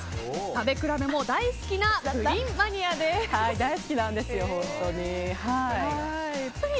食べ比べも大好きな大好きなんですよ、本当に。